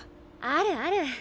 あるある。